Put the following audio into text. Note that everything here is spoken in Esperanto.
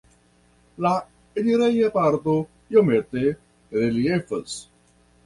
La enireja parto iomete reliefas.